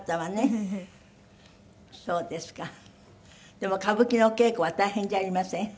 でも歌舞伎のお稽古は大変じゃありません？